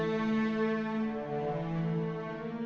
langsung ke luar